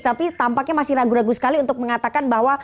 tapi tampaknya masih ragu ragu sekali untuk mengatakan bahwa